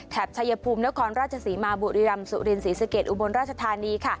ชายภูมินครราชศรีมาบุรีรำสุรินศรีสะเกดอุบลราชธานี